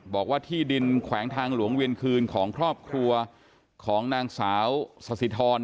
บอกว่าที่ดินแขวงทางหลวงเวียนคืนของครอบครัวของนางสาวสสิทร